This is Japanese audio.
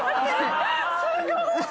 すごい。